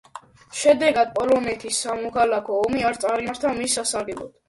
შედეგად პოლონეთის სამოქალაქო ომი არ წარიმართა მის სასარგებლოდ.